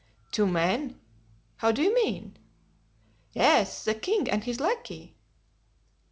"Two men—how do you mean?" "Yes, the king and his lackey."